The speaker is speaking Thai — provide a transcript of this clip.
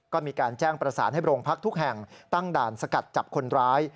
ก็มีการแจ้งประสานให้โรงพักทุกแห่งตั้งด่านสกัดจับคนร้าย